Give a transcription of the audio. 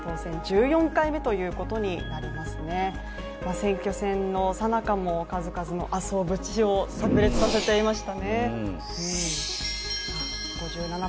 選挙戦のさなかも数々の麻生節をさく裂させていました。